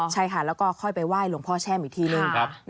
ใช่ค่ะแล้วก็ค่อยไปไหว้หลวงพ่อแช่มอีกทีนึง